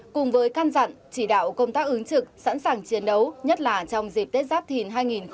cùng với căn dặn chỉ đạo công tác ứng trực sẵn sàng chiến đấu nhất là trong dịp tết giáp thìn hai nghìn hai mươi bốn